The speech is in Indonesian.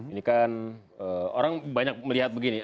ini kan orang banyak melihat begini